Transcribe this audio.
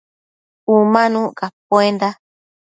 Umanuc capuenda